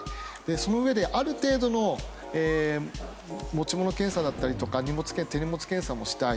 そのうえで、ある程度の持ち物検査だったり手荷物検査もしたい。